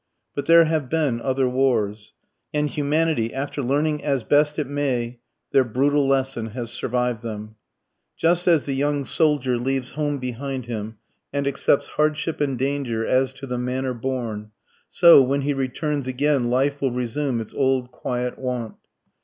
But there have been other wars. And humanity, after learning as best it may their brutal lesson, has survived them. Just as the young soldier leaves home behind him and accepts hardship and danger as to the manner born, so, when he returns again, life will resume its old quiet wont.